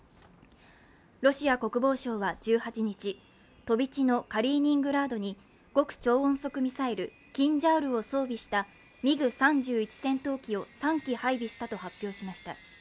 ロシア国防省は１８日飛び地のカリーニングラードに極超音速ミサイル、キンジャールを装備したミグ３１戦闘機を３機配備したと発表しました。